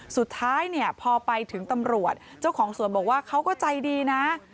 สุดท้ายเนี่ยพอไปถึงตำรวจเจ้าของสวนบอกว่าเขาก็ใจดีนะ